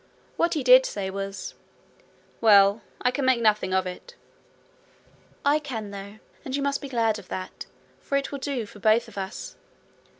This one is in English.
What he did say was: 'Well, I can make nothing of it.' 'I can, though, and you must be glad of that, for it will do for both of us.'